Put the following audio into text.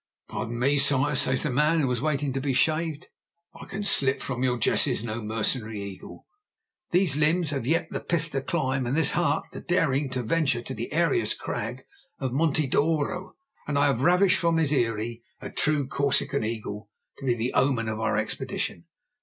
"Pardon me, Sire," says the man who was waiting to be shaved, "I can slip from your jesses no mercenary eagle. These limbs have yet the pith to climb and this heart the daring to venture to the airiest crag of Monte d'Oro, and I have ravished from his eyrie a true Corsican eagle to be the omen of our expedition.